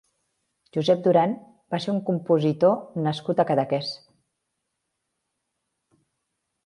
Josep Duran va ser un compositor nascut a Cadaqués.